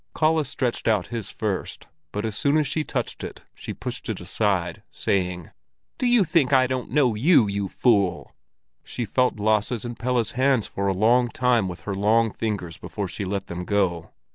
Kalle stretched his out first, but as soon as she touched it, she pushed it aside, saying: "Do you think I don't know you, you fool?" She felt Lasse's and Pelle's hands for a long time with her soft fingers before she let them go.